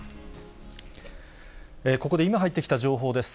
ここで今入ってきた情報です。